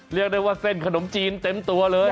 เรียกได้ว่าเส้นขนมจีนเต็มตัวเลย